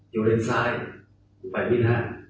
อยู่ในซ้ายอยู่ไปนี่นะ